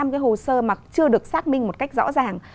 một hai trăm linh cái hồ sơ mà chưa được xác minh một cách rõ ràng